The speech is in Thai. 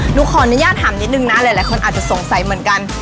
หนูขออนุญาตถามนิดนึงนะหลายคนอาจจะสงสัยเหมือนกัน